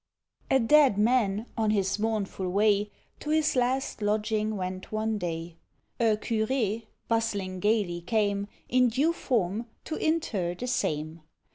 A Dead man, on his mournful way. To his last lodging went one day. A Curé, bustling gaily, came In due form, to inter the same.